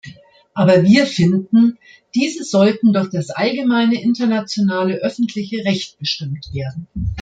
Aber wir finden, diese sollten durch das allgemeine internationale öffentliche Recht bestimmt werden.